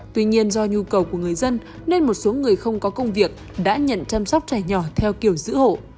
tuy nhiên do nhu cầu của người dân nên một số người không có công việc đã nhận chăm sóc trẻ nhỏ theo kiểu giữ hộ